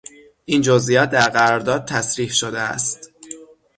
این جزئیات در قرارداد تصریح شده است.